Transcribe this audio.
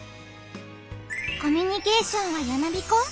コミュニケーションはやまびこ？